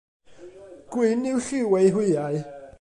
Gwyn yw lliw eu hwyau.